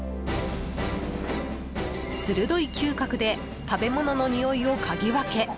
鋭い嗅覚で食べ物のにおいをかぎ分け